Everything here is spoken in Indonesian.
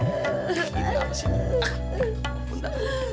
gak ada apa apa sih